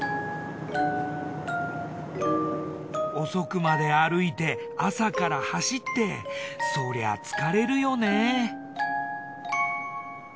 遅くまで歩いて朝から走ってそりゃ疲れるよね。